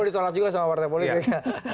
jika gue ditolak juga sama warteg politik